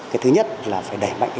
cái thứ nhất là phải đẩy mạnh